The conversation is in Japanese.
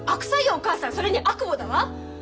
お母さんそれに悪母だわ。